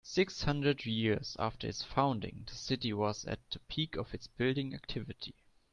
Six hundred years after its founding, the city was at the peak of its building activity.